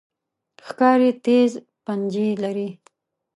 ښکاري تیز پنجې لري.